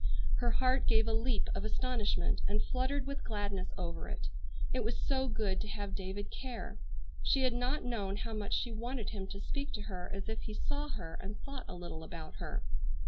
Her heart gave a leap of astonishment and fluttered with gladness over it. It was so good to have David care. She had not known how much she wanted him to speak to her as if he saw her and thought a little about her.